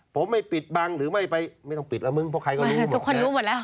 ผมไม่ปิดบังหรือไม่ไปไม่ต้องปิดแล้วมึงเพราะใครก็รู้หมดทุกคนรู้หมดแล้ว